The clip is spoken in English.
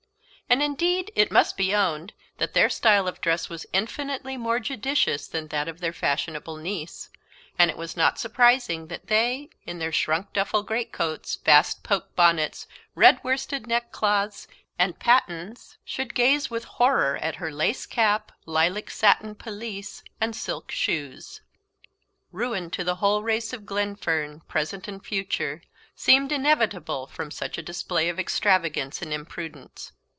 And, indeed, it must be owned their style of dress was infinitely more judicious than that of their fashionable niece; and it was not surprising that they, in their shrunk duffle greatcoats, vast poke bonnets, red worsted neckcloths, and pattens, should gaze with horror at her lace cap, lilac satin pelisse, and silk shoes. Ruin to the whole race of Glenfern, present and future, seemed inevitable from such a display of extravagance and imprudence.